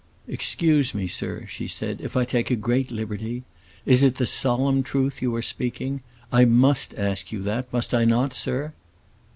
"Excuse me, sir," she said, "if I take a great liberty. Is it the solemn truth you are speaking? I must ask you that; must I not, sir?"